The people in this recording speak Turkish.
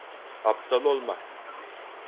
Aptal olma.